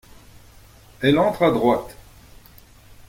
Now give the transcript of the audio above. Elle entre à droite.